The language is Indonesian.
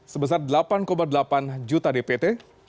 sebesar delapan delapan juta dpt